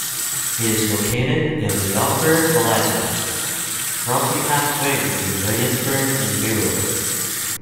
It is located in the Upper Palatinate, roughly halfway between Regensburg and Bayreuth.